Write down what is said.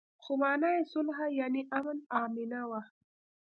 خو مانا يې صلح يانې امن آمنه وه.